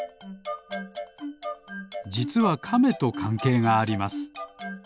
じつはカメとかんけいがあります。